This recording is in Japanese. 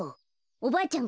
おばあちゃん